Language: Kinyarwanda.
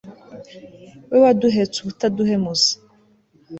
we waduhetse ubutaduhemuza